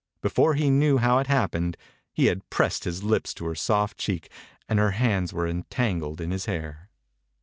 Before he knew how it happened, he had pressed his lips to her soft cheek and her hands were entangled in his hair.